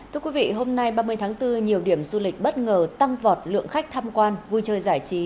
thưa quý vị hôm nay ba mươi tháng bốn nhiều điểm du lịch bất ngờ tăng vọt lượng khách tham quan vui chơi giải trí